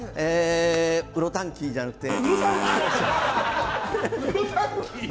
ウロタンキーじゃなくて。